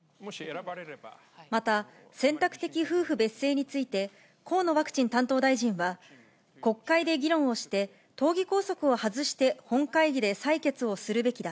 また選択的夫婦別姓について、河野ワクチン担当大臣は、国会で議論をして、党議拘束を外して本会議で採決をするべきだ。